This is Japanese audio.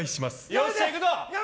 よっしゃ、いくぞ！